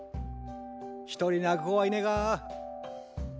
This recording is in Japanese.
一人泣く子はいねが。